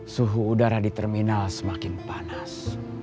suhu udara di terminal semakin panas